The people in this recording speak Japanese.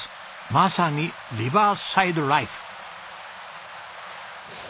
まさにリバーサイドライフ！